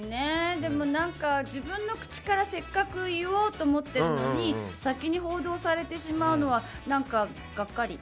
でも自分の口からせっかく言おうと思っているのに先に報道されてしまうのは何かがっかり。